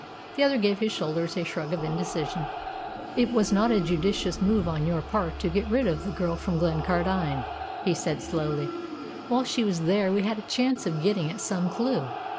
The other gave his shoulders a shrug of indecision. "It was not a judicious move on your part to get rid of the girl from Glencardine," he said slowly. "While she was there we had a chance of getting at some clue.